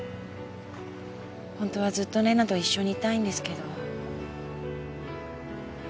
本当はずっと玲奈と一緒にいたいんですけど。